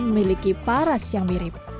memiliki paras yang mirip